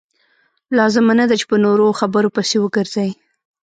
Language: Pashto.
لازمه نه ده چې په نورو خبرو پسې وګرځئ.